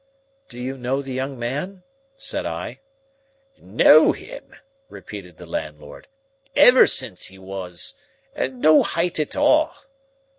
"Do you know the young man?" said I. "Know him!" repeated the landlord. "Ever since he was—no height at all."